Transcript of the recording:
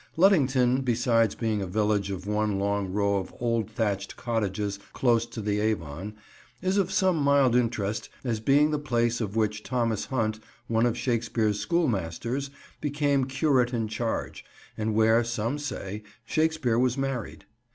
Luddington, besides being a village of one long row of old thatched cottages close to the Avon, is of some mild interest as being the place of which Thomas Hunt, one of Shakespeare's schoolmasters, became curate in charge, and where, some say, Shakespeare was married.